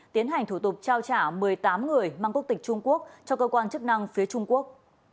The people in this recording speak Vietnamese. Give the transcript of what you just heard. tiến hành thủ tục trao trả một mươi tám người mang quốc tịch trung quốc cho cơ quan chức năng phía trung quốc